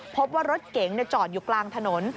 พบว่ารถเก๋งจอดอยู่กลางถนน